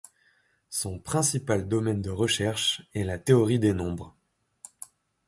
Son principal domaine de recherche est la théorie des nombres.